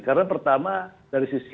karena pertama dari sisi